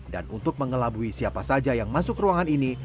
dan untuk mengelabui siapa saja yang masuk ruangan ini